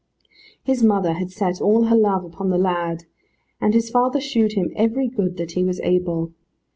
His mother had set all her love upon the lad, and his father shewed him every good that he was able.